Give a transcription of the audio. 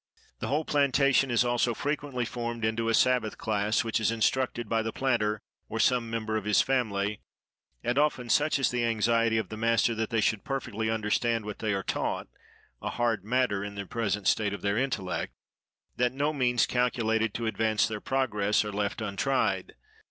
The whole plantation is also frequently formed into a Sabbath class, which is instructed by the planter, or some member of his family; and often, such is the anxiety of the master that they should perfectly understand what they are taught,—a hard matter in the present state of their intellect,—that no means calculated to advance their progress are left untried.